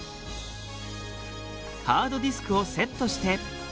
ハードディスクをセットして。